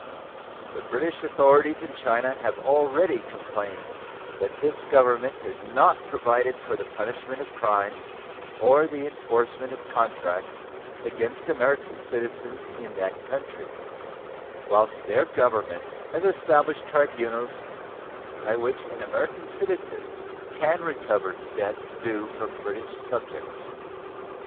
The British authorities in China have already complained that this Government has not provided for the punishment of crimes or the enforcement of contracts against American citizens in that country, whilst their Government has established tribunals by which an American citizen can recover debts due from British subjects.